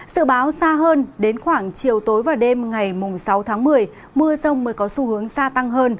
sự báo xa hơn đến khoảng chiều tối và đêm ngày sáu tháng một mươi mưa rông mới có xu hướng xa tăng hơn